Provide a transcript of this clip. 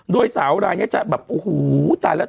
โดยสาวรายนี้จะแบบโอ้โหตายแล้ว